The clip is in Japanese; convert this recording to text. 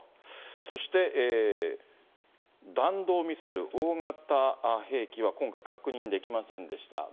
そして弾道ミサイル、大型兵器は今回、確認できませんでした。